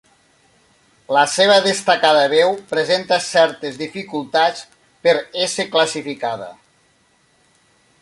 La seva destacada veu presenta certes dificultats per ésser classificada.